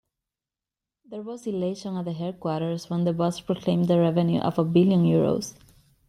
There was elation at the headquarters when the boss proclaimed the revenue of a billion euros.